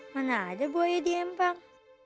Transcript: mana ada buaya di empang